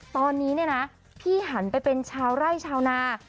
ตอนนี้เนี่ยนะพี่หันไปเป็นชาวไร่ชาวนา